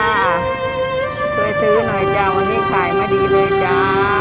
ช่วยซื้อหน่อยจ้ะวันนี้ขายไม่ดีเลยจ้า